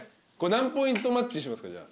何ポイントマッチにしますか？